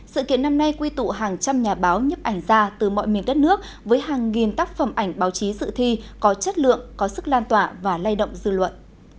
sự kiện năm nay quy tụ hàng trăm nhà báo nhấp ảnh ra từ mọi miền đất nước với hàng nghìn tác phẩm ảnh báo chí dự thi có chất lượng có sức lan tỏa và lay động dư luận